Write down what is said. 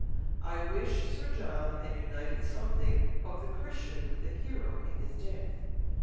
I wish Sir John had united something of the Christian with the hero in his death.